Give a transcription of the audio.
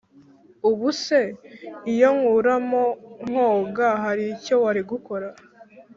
Ubuse iyo nkuramo nkoga haricyo wari gukora